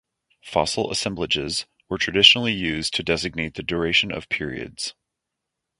Fossil assemblages were traditionally used to designate the duration of periods.